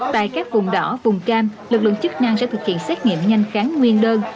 tại các vùng đỏ vùng cam lực lượng chức năng sẽ thực hiện xét nghiệm nhanh kháng nguyên đơn